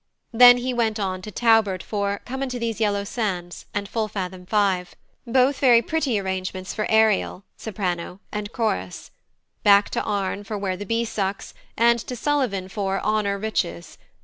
Then he went on to Taubert for "Come unto these yellow sands" and "Full fathom five," both very pretty arrangements for Ariel (soprano) and chorus; back to Arne for "Where the bee sucks," and to Sullivan for "Honour, riches."